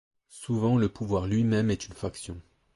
Souvent le pouvoir lui-même est une faction.